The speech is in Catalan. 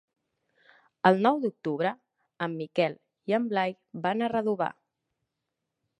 El nou d'octubre en Miquel i en Blai van a Redovà.